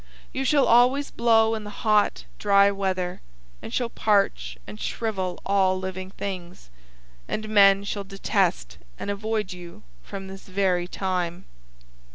You shall always blow in the hot, dry weather, and shall parch and shrivel all living things. And men shall detest and avoid you from this very time."